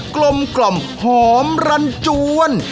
กลมกล่อมหอมรันจวน